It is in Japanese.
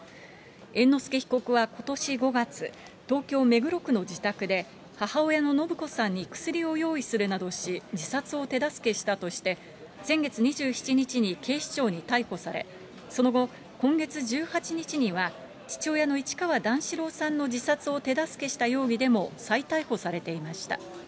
猿之助被告はことし５月、東京・目黒区の自宅で、母親の延子さんに薬を用意するなどし、自殺を手助けしたとして、先月２７日に警視庁に逮捕され、その後、今月１８日には父親の市川段四郎さんの自殺を手助けした容疑でも再逮捕されていました。